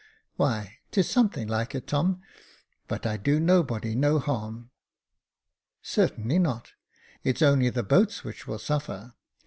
" "Why, 'tis something like it, Tom, but I do nobody no harm." Certainly not ; it's only the boats which will suffer.